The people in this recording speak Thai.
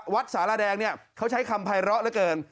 วัดสาลาแดงเขาใช้คำภายละเกิน